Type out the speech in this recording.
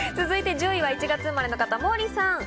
続いて１０位は１月生まれの方、モーリーさん。